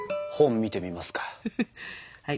本見てみますか？